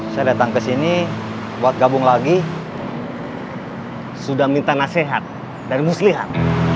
saya datang kesini buat gabung lagi sudah minta nasihat dan muslihat